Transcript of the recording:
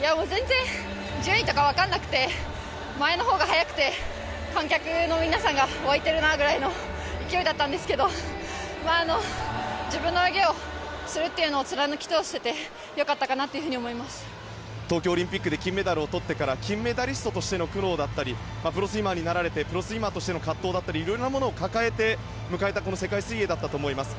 全然順位とかわからなくて前のほうが速くて観客の皆さんが沸いてるなぐらいの勢いだったんですけど自分の泳ぎをするっていうのを貫き通せて東京オリンピックで金メダルを取ってから金メダリストとしての苦悩だったりプロスイマーになられてプロスイマーとしての葛藤だったり色々なものを抱えて迎えた世界水泳だったと思います。